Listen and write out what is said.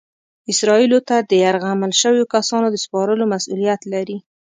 اسرائیلو ته د یرغمل شویو کسانو د سپارلو مسؤلیت لري.